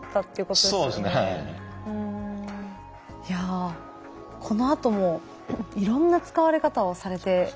いやこのあともいろんな使われ方をされていくんでしょうね。